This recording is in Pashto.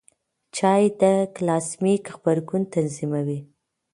چای د ګلاسیمیک غبرګون تنظیموي.